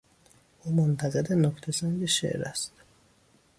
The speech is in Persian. او منتقد نکته سنج شعر است.